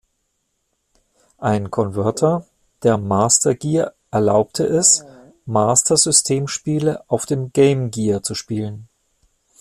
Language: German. Ein Konverter, der Master Gear, erlaubte es, Master-System-Spiele auf dem Game Gear zu spielen.